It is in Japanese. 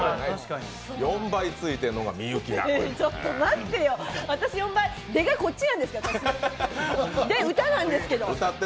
４倍ついているのが美幸さんちょっと待ってよ、出がこっちなんですけど、歌なんですけど。